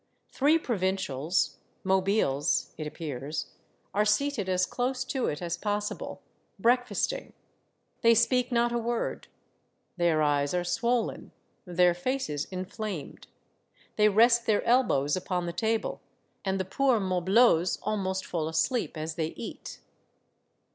Three provincials, mobiles, it ap pears, are seated as close to it as possible, break fasting. They speak not a word; their eyes are swollen, their faces inflamed ; they rest their elbows upon the table, and the poor moblots almost fall asleep as they eat.